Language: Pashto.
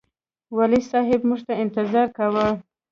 والي صاحب موږ ته انتظار کاوه.